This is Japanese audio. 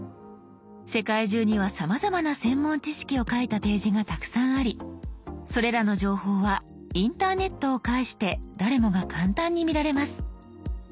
世界中にはさまざまな専門知識を書いたページがたくさんありそれらの情報はインターネットを介して誰もが簡単に見られます。